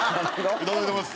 「いただいてます」。